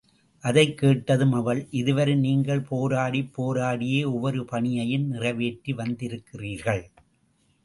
அதைக் கேட்டதும் அவள், இதுவரை நீங்கள் போராடிப் போராடியே ஒவ்வொரு பணியையும் நிறைவேற்றி வந்திருக்கிறீர்கள்.